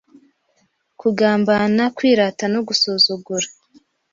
kugambana, kwirata no gusuzugura.